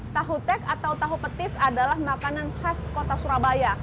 tahu tek atau tahu petis adalah makanan khas kota surabaya